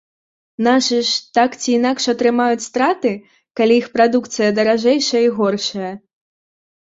Нашы ж, так ці інакш, атрымаюць страты, калі іх прадукцыя даражэйшая і горшая?